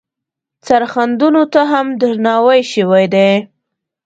سرښندنو ته هم درناوی شوی دی.